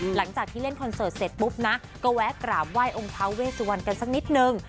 หลังจากที่เล่นคอนเสิร์ตเสร็จปุ๊บนะก็แวะกราบไห้องค้าเวสวันกันสักนิดนึง